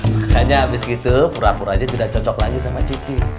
makanya habis gitu pura pura aja tidak cocok lagi sama cici